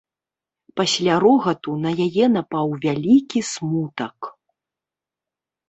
Пасля рогату на яе напаў вялікі смутак.